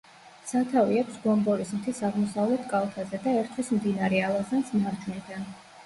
სათავე აქვს გომბორის მთის აღმოსავლეთ კალთაზე და ერთვის მდინარე ალაზანს მარჯვნიდან.